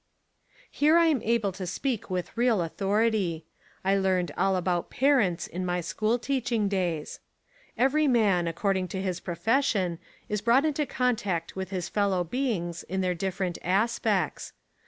Here I am able to speak with real authority. I learned all about "parents" in my school teaching days. Every man, according to his profession, is brought into contact with his fel low beings in their different aspects.